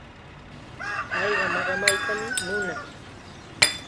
Payqa maqamaytam munan.